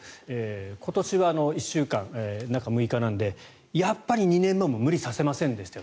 今年は１週間中６日なのでやっぱり２年目も無理させませんでした。